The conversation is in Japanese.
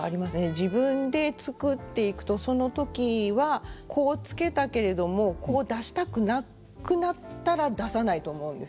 自分で作っていくとその時はこう付けたけれどもこう出したくなくなったら出さないと思うんです。